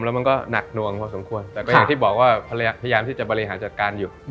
แล้วมันก็หนักหน่วงพอสมควรแต่ก็อย่างที่บอกว่าภรรยาพยายามที่จะบริหารจัดการอยู่